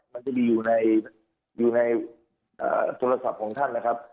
มันจะมีอยู่ในโทรศัพท์ของท่านนะครับ